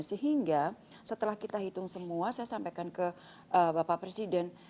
sehingga setelah kita hitung semua saya sampaikan ke bapak presiden